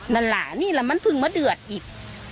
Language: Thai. นั่นล่ะนี่แล้วมันเพิ่งมาเดือดอีก